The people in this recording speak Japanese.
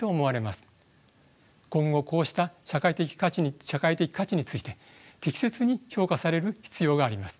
今後こうした社会的価値について適切に評価される必要があります。